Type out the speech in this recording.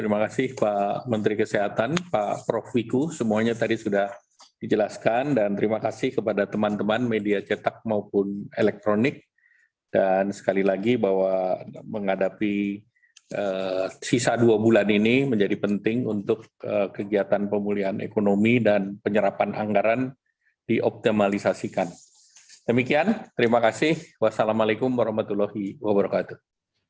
terima kasih pak menteri kesehatan pak prof wiku semuanya tadi sudah dijelaskan dan terima kasih kepada teman teman media cetak maupun elektronik dan sekali lagi bahwa menghadapi sisa dua bulan ini menjadi penting untuk kegiatan pemulihan ekonomi dan penyerapan anggaran dioptimalisasikan demikian terima kasih wassalamualaikum warahmatullahi wabarakatuh